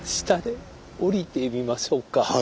下りてみましょうか。